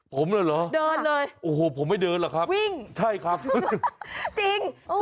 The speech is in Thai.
ผมเลยเหรอโอ้โหผมไม่เดินหรอกครับใช่ครับจริง